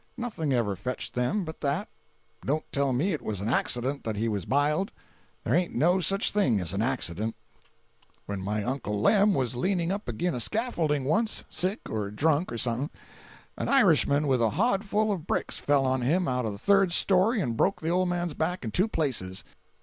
Nothing ever fetched them but that. Don't tell me it was an accident that he was biled. There ain't no such a thing as an accident. 388.jpg (43K) 'When my uncle Lem was leaning up agin a scaffolding once, sick, or drunk, or suthin, an Irishman with a hod full of bricks fell on him out of the third story and broke the old man's back in two places.